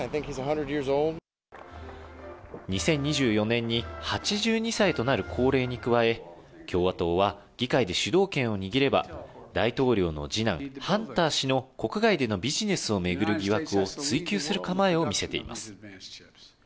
２０２４年に８２歳となる高齢に加え、共和党は議会で主導権を握れば、大統領の次男、ハンター氏の国外でのビジネスを巡る疑惑を追及する構えを見せています。